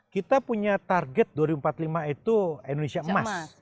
kita punya target dua ribu empat puluh lima itu indonesia emas